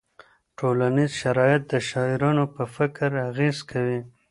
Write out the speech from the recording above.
ټولنیز شرایط د شاعرانو په فکر اغېز کوي.